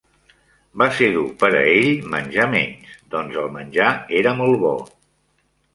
Va ser dur per a ell menjar menys, doncs el menjar era molt bo.